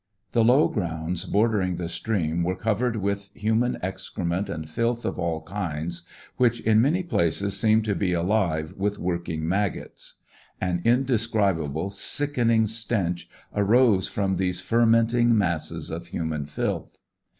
The low grounds bordering the stream were covered with human excrements and filth of all kinds, which in many places seemed to be alive with working maggots. An indescribable sickening stench arose from these fermenting masses of human filth.